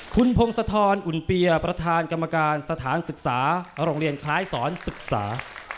คุณพงศธรอุ่นเปียประธานกรรมการสถานศึกษาโรงเรียนคล้ายสอนศึกษา